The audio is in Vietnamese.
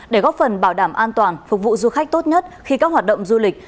để góp phần bảo đảm an toàn phục vụ du khách tốt nhất khi các hoạt động du lịch